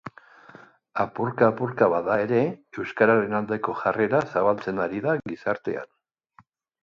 Apurka-apurka bada ere, euskararen aldeko jarrera zabaltzen ari da gizartean.